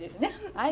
はい。